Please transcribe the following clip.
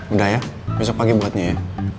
udah ya besok pagi buatnya ya